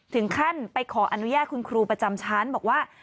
ถึงขั้นไปขออนุญาตคุณครูประจำชั้นบอกว่า